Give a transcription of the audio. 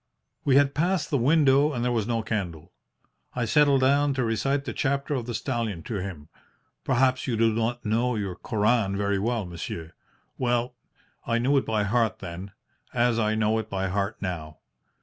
"We had passed the window and there was no candle. I settled down to recite the Chapter of the Stallion to him. Perhaps you do not know your Koran very well, monsieur? Well, I knew it by heart then, as I know it by heart now.